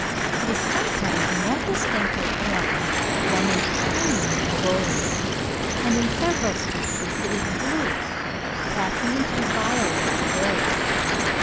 It is sometimes more distinctly orange than in any Mongolian, and in several species it is blue, passing into violet or grey.